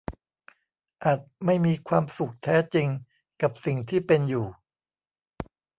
อาจไม่มีความสุขแท้จริงกับสิ่งที่เป็นอยู่